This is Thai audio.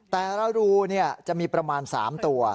แต่ละรูจะมีประมาณ๓ตัว